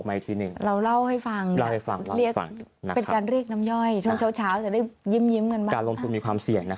นะฮะอ้าว